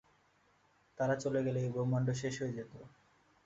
তারা চলে গেলে, এই ব্রহ্মান্ড শেষ হয়ে যেত।